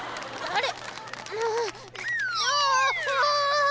あれ？